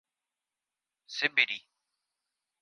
Seberi